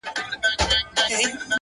هغه به خپل زړه په ژړا وویني،